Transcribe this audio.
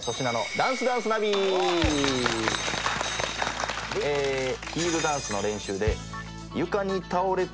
ヒールダンスの練習で。